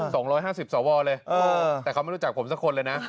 ๒๕๐สอวเลยแต่เขาไม่รู้จักผมสักคนเลยนะ